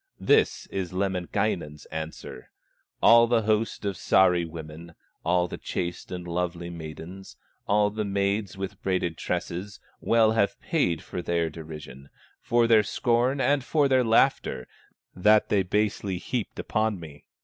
This is Lemminkainen's answer: "All the host of Sahri women, All the chaste and lovely maidens, All the maids with braided tresses, Well have paid for their derision, For their scorn and for their laughter, That they basely heaped upon me.